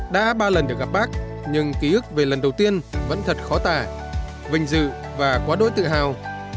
đã ba lần được gặp bác nhưng ký ức về lần đầu tiên vẫn thật khó tả vinh dự và quá đỗi tự hào